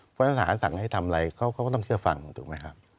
เพราะถ้าทหารสั่งให้ทำอะไรเขาก็ต้องเชื่อฟังถูกไหมครับ